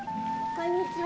こんにちは。